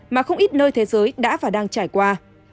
mà không ít nơi thế giới đã và đang trải qua